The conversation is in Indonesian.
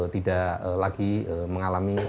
tidak lagi mengalami